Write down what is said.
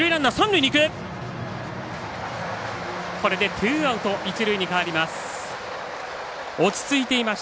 ツーアウト、一塁に変わります。